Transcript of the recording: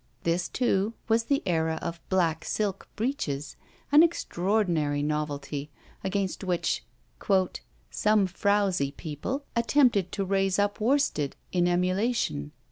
This too was the æra of black silk breeches; an extraordinary novelty against which "some frowsy people attempted to raise up worsted in emulation."